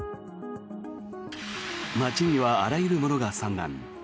街にはあらゆるものが散乱。